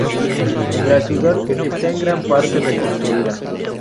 La ciudad está en gran parte reconstruida.